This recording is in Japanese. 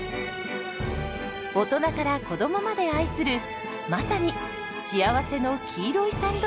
大人から子どもまで愛するまさに「幸せの黄色いサンドイッチ」です。